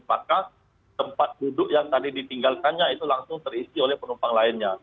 maka tempat duduk yang tadi ditinggalkannya itu langsung terisi oleh penumpang lainnya